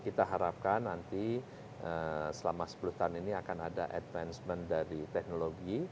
kita harapkan nanti selama sepuluh tahun ini akan ada advancement dari teknologi